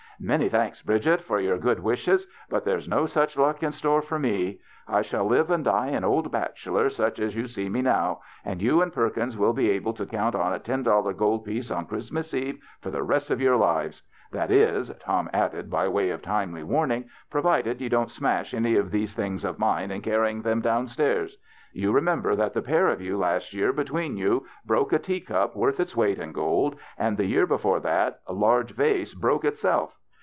"Many thanks, Bridget, for your good wishes, but there's no such luck in store for me. I shall live and die an old bachelor such as you see me now, and you and Perkins will be able to count on a ten dollar gold piece on Christmas eve for the rest of your lives. That is," Tom added by way of timely warning, " provided you don't smash any of these things of mine in carrying them down stairs. You remember that the pair of you last year bet^veen you broke a teacup worth its weight in gold, and the year before that large vase broke itself.